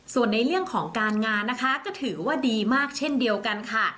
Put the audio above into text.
ส่วนในเรื่องของการงานนะคะก็ถือว่าดีมากเช่นเดียวกันค่ะ